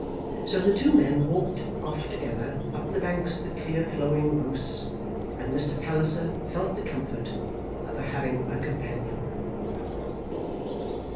So the two men walked off together, up the banks of the clear flowing Reuss, and Mr. Palliser felt the comfort of having a companion.